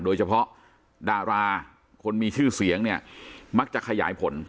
โดยเฉพาะดาราคนมีชื่อเสียงเนี่ยมักจะขยายผล